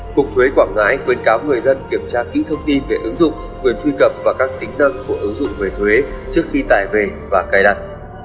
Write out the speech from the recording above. cục thuế quảng ngãi khuyến cáo người dân kiểm tra kỹ thông tin về ứng dụng quyền truy cập và các tính năng của ứng dụng về thuế trước khi tải về và cài đặt